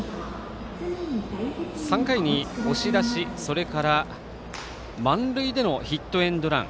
３回に押し出しそれから満塁でのヒットエンドラン。